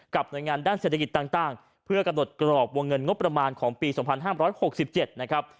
หน่วยงานด้านเศรษฐกิจต่างเพื่อกำหนดกรอบวงเงินงบประมาณของปี๒๕๖๗นะครับ